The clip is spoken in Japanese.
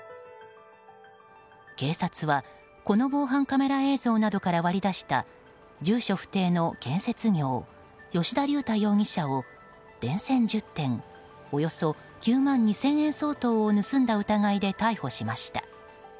警察は、この防犯カメラ映像などから割り出した住所不定の建設業吉田龍太容疑者を電線１０点およそ９万２０００円相当を盗んだ疑いで逮捕しました。